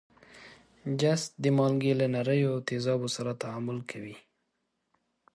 جست د مالګې له نریو تیزابو سره تعامل کوي.